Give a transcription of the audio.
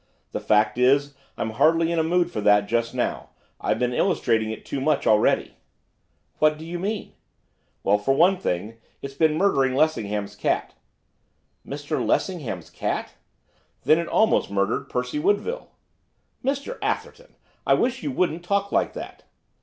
The fact is, I'm hardly in a mood for that just now, I've been illustrating it too much already.' 'What do you mean?' 'Well, for one thing it's been murdering Lessingham's cat.' 'Mr Lessingham's cat?' 'Then it almost murdered Percy Woodville.' 'Mr Atherton! I wish you wouldn't talk like that.